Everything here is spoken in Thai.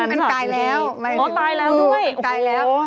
ไม่คือมันตายแล้วมันตายแล้วด้วยโอ้โฮตายแล้ว